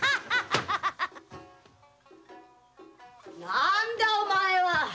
何だいお前は！？